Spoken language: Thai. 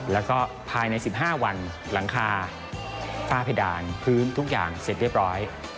แล้วก็ภายใน๑๕วันหลังคาฝ้าเพดานพื้นทุกอย่างเสร็จเรียบร้อย